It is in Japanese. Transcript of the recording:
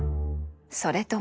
それとも。